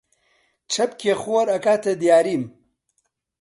چەپکێ خۆر ئەکاتە دیاریم!